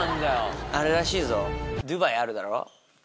あれらしいぞドゥバイあるだろ？